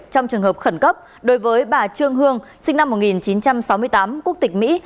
trong trường hợp khẩn cấp đối với bà trương hương sinh năm một nghìn chín trăm sáu mươi tám quốc tịch mỹ